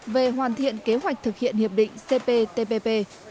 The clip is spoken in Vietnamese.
về hoàn thiện kế hoạch thực hiện hiệp định cptpp